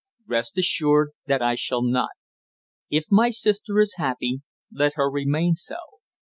Rest assured that I shall not. If my sister is happy, let her remain so.